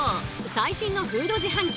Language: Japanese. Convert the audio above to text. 最新のフード自販機